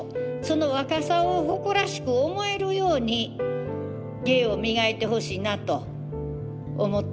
その若さを誇らしく思えるように芸を磨いてほしいなと思っております。